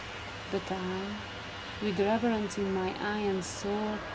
" But I, with reverence in my eye and soul.